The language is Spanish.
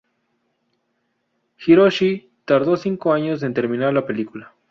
Hiroshi tardó cinco años en terminar la película.